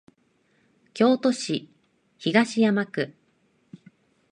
京都市東山区